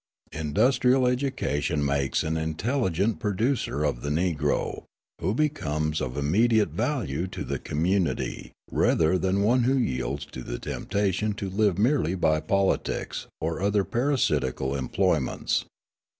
Industrial education makes an intelligent producer of the Negro, who becomes of immediate value to the community rather than one who yields to the temptation to live merely by politics or other parasitical employments.